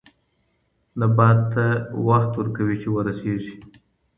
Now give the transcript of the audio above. نبات ته وخت ورکوي چې ورسېږي.